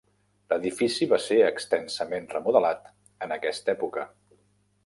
L'edifici va ser extensament remodelat en aquesta època.